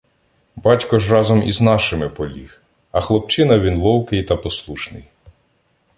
Батько ж разом із нашими поліг, а хлопчина він ловкий та послушний.